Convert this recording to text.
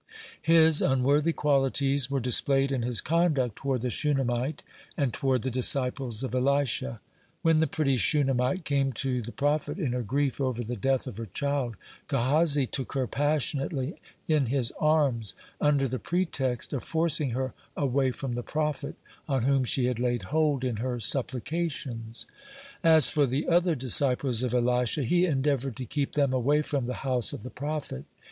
His unworthy qualities were displayed in his conduct toward the Shunammite and toward the disciples of Elisha. When the pretty Shunammite came to the prophet in her grief over the death of her child, Gehazi took her passionately in his arms, under the pretext of forcing her away from the prophet, on whom she had laid hold in her supplications. As for the other disciples of Elisha, he endeavored to keep them away from the house of the prophet.